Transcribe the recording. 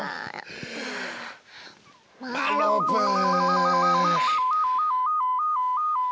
マロブー！